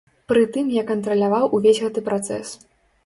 Пры тым я кантраляваў увесь гэты працэс.